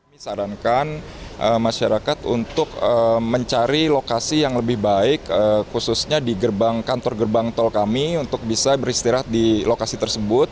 kami sarankan masyarakat untuk mencari lokasi yang lebih baik khususnya di kantor gerbang tol kami untuk bisa beristirahat di lokasi tersebut